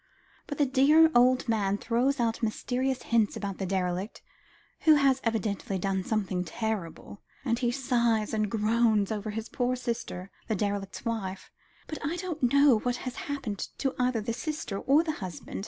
But the dear old man throws out mysterious hints about the derelict, who has evidently done something terrible, and he sighs and groans over his poor sister, the derelict's wife, but I don't know what has happened to either the sister or her husband.